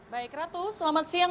baik ratu selamat siang